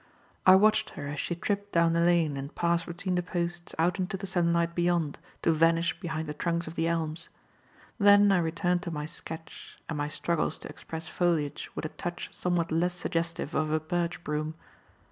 I watched her as she tripped down the lane and passed between the posts out into the sunlight beyond, to vanish behind the trunks of the elms; then I returned to my sketch and my struggles to express foliage with a touch somewhat less suggestive of a birch broom.